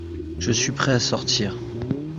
Je suis prêt à sortir.